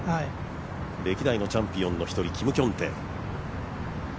歴代のチャンピオンの一人キム・キョンテ。